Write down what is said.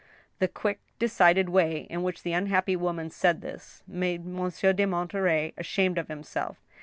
The quick, decided way in which the unhappy woman said this, made Monsieur de Monterey ashamed of himself.